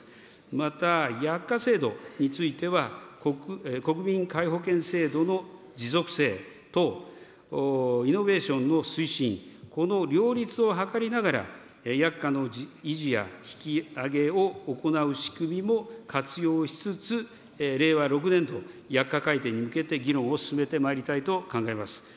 また薬価制度については、国民皆保険制度の持続性等、イノベーションの推進、この両立を図りながら、薬価の維持や引き上げを行う仕組みも活用しつつ、令和６年度薬価改定に向けて議論を進めてまいりたいと考えます。